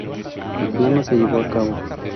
El plan no se llevó a cabo.